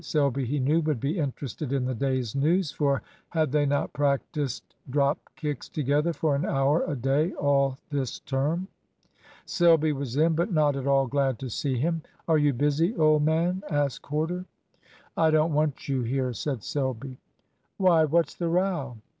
Selby, he knew, would be interested in the day's news, for had they not practised drop kicks together for an hour a day all this term? Selby was in, but not at all glad to see him. "Are you busy, old man?" asked Corder. "I don't want you here," said Selby. "Why, what's the row?"